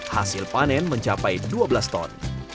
hasil panen mencapai dua belas ton